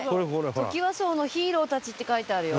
「トキワ荘のヒーローたち」って書いてあるよ。